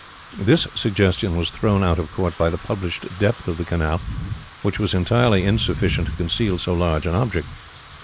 This suggestion was thrown out of court by the published depth of the canal, which was entirely insufficient to conceal so large an object.